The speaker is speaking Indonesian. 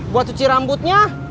buat cuci rambutnya